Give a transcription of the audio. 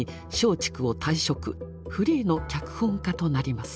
フリーの脚本家となります。